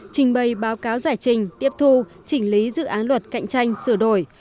trình bày báo cáo giải trình tiếp thu chỉnh lý dự án luật cạnh tranh sửa đổi